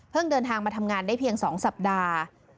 เดินทางมาทำงานได้เพียง๒สัปดาห์